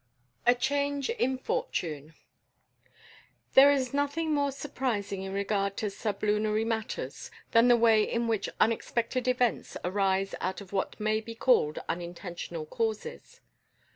A CHANGE IN FORTUNE. There is nothing more surprising in regard to sublunary matters than the way in which unexpected events arise out of what may be called unintentional causes.